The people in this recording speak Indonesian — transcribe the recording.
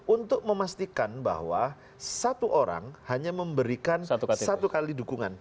untuk memastikan bahwa satu orang hanya memberikan satu kali dukungan